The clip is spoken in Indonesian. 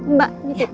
mbak ini tuh